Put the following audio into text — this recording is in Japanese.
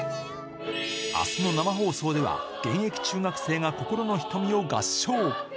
あすの生放送では、現役中学生が心の瞳を合唱。